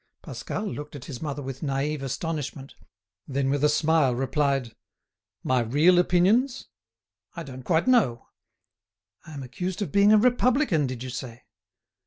Pascal looked at his mother with naïve astonishment, then with a smile replied: "My real opinions? I don't quite know—I am accused of being a Republican, did you say?